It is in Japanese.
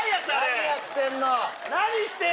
何やってんの！